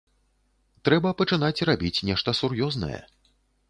Трэба пачынаць рабіць нешта сур'ёзнае.